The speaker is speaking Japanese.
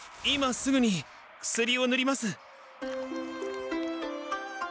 今すぐに薬をぬります。